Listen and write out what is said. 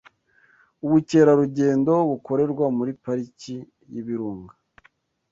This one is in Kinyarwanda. Ubukerarugendo bukorerwa muri Pariki y’Ibirunga